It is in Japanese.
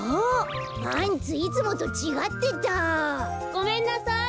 ごめんなさい。